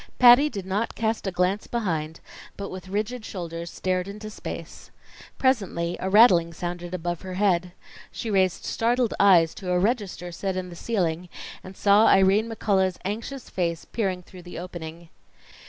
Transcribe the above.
Patty did not cast a glance behind, but with rigid shoulders stared into space. Presently a rattling sounded above her head. She raised startled eyes to a register set in the ceiling, and saw Irene McCullough's anxious face peering through the opening.